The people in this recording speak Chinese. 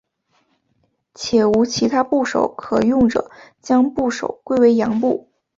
且无其他部首可用者将部首归为羊部。